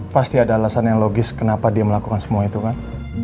pasti ada alasan yang logis kenapa dia melakukan semua itu kan